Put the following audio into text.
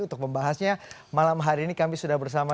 untuk membahasnya malam hari ini kami sudah bersama